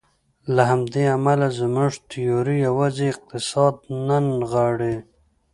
له همدې امله زموږ تیوري یوازې اقتصاد نه نغاړي.